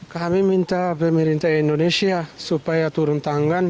kami minta pemerintah indonesia supaya turun tangan